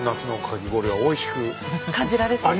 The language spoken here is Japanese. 感じられそうですか？